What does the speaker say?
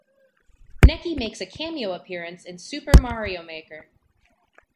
Necky makes a cameo appearance in "Super Mario Maker".